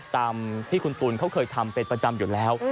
ตามที่คุณตูนเขาเคยทำเป็นประจำอยู่แล้ว